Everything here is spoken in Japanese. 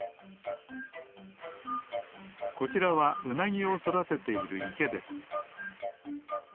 こちらはウナギをそだてているいけです